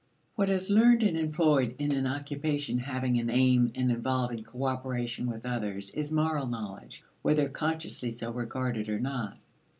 What is learned and employed in an occupation having an aim and involving cooperation with others is moral knowledge, whether consciously so regarded or not.